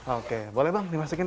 oke boleh bang dimasukkan